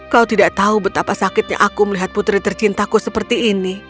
kau tidak tahu betapa sakitnya aku melihat putri tercintaku seperti ini